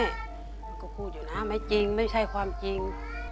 มันก็พูดอยู่นะไม่จริงไม่ใช่ความจริง